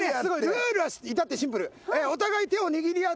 ルールは至ってシンプル。